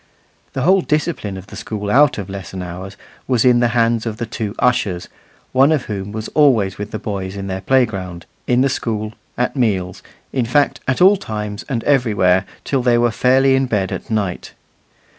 The whole discipline of the school out of lesson hours was in the hands of the two ushers, one of whom was always with the boys in their playground, in the school, at meals in fact, at all times and every where, till they were fairly in bed at night.